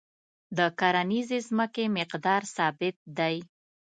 د کرنیزې ځمکې مقدار ثابت دی.